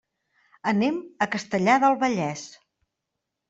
Anem a Castellar del Vallès.